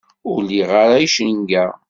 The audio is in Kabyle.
Ur liɣ ara icenga.